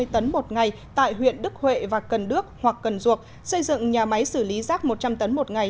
hai mươi tấn một ngày tại huyện đức huệ và cần đước hoặc cần duộc xây dựng nhà máy xử lý rác một trăm linh tấn một ngày